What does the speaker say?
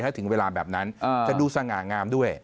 ถ้าถึงเวลาแบบนั้นจะดูสง่างามด้วย